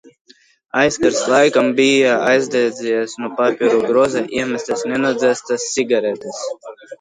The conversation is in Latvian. Aizkars laikam bija aizdedzies no papīru grozā iemestas nenodzēstas cigaretes.